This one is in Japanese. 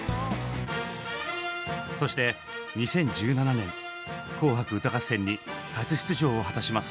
そして２０１７年「紅白歌合戦」に初出場を果たします。